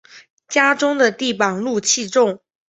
家中的地板露气重